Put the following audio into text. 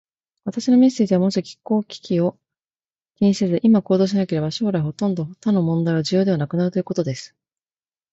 私のメッセージは、もし気候危機を気にせず、今行動しなければ、将来ほとんど他の問題は重要ではなくなるということです。